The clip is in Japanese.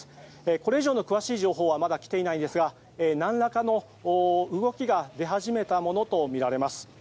これ以上の詳しい情報はきていないですが何らかの動きが出始めたものとみられます。